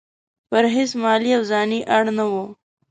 پر هیڅ مالي او ځاني اړ نه وو.